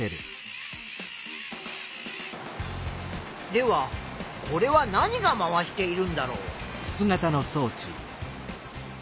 ではこれは何が回しているんだろう？